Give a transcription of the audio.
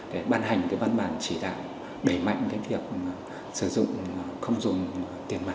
để bàn hành văn bản chỉ đạo đẩy mạnh việc sử dụng không dùng tiền mặt